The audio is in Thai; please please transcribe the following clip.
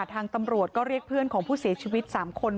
ทางตำรวจก็เรียกเพื่อนของผู้เสียชีวิต๓คน